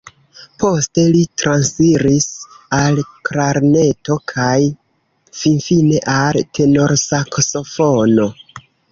Poste li transiris al klarneto kaj finfine al tenorsaksofono.